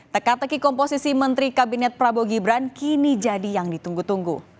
teka teki komposisi menteri kabinet prabowo gibran kini jadi yang ditunggu tunggu